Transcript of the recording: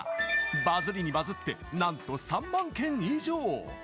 バズりにバズってなんと３万件以上！